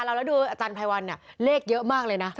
ประมาณนั้นเลย